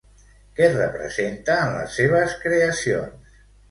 Què representa en les seves creacions?